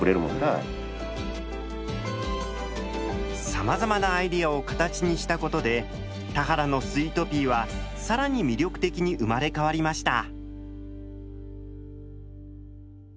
さまざまなアイデアを形にしたことで田原のスイートピーは更に魅力的に生まれ変わりました。